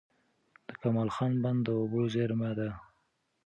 د کمال خان بند د اوبو زېرمه ده.